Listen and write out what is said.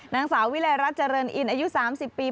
นางสาววิลัยรัฐเจริญอินอายุ๓๐ปี